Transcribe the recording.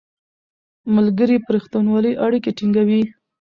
ملګري په رښتینولۍ اړیکې ټینګوي